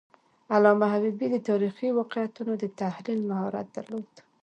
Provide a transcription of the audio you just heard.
علامه حبیبي د تاریخي واقعیتونو د تحلیل مهارت درلود.